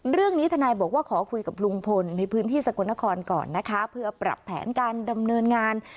เรื่องนี้ทนายบอกว่าขอคุยกับลุงพลในพื้นที่สกลนครก่อนนะคะเพื่อปรับแผนการดำเนินงาน